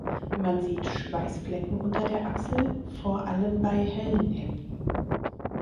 Man sieht Schweißflecken unter der Achsel, vor allem bei hellen Hemden.